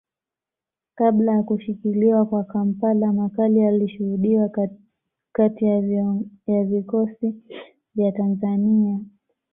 Kabla ya kushikiliwa kwa Kampala makali yalishuhudiwa kati ya vikosi vya Tanzania